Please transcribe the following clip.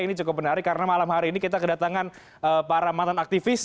ini cukup menarik karena malam hari ini kita kedatangan para mantan aktivis